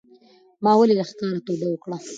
ما ولې له ښکاره توبه وکړه